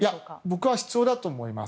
僕は必要だと思います。